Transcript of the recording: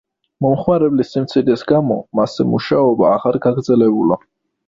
მომხმარებლების სიმცირის გამო, მასზე მუშაობა, აღარ გაგრძელებულა.